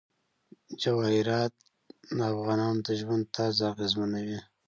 جواهرات د افغانانو د ژوند طرز اغېزمنوي.